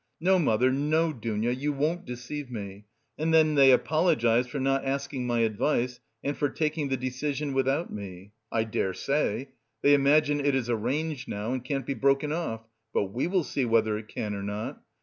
"No, mother, no, Dounia, you won't deceive me! and then they apologise for not asking my advice and for taking the decision without me! I dare say! They imagine it is arranged now and can't be broken off; but we will see whether it can or not!